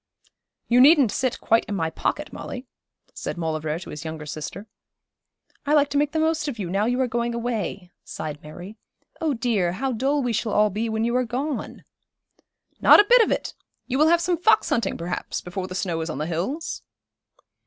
'You needn't sit quite in my pocket, Molly,' said Maulevrier to his younger sister. 'I like to make the most of you, now you are going away,' sighed Mary. 'Oh, dear, how dull we shall all be when you are gone.' 'Not a bit of it! You will have some fox hunting, perhaps, before the snow is on the hills.'